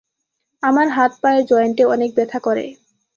আমার হাত পায়ের জয়েন্টে অনেক ব্যথা করে।